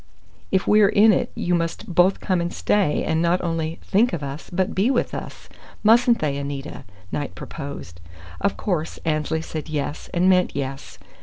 "If we're in it, you must both come and stay, and not only 'think' of us, but be with us: mustn't they, Anita?" Knight proposed. Of course Annesley said yes, and meant yes.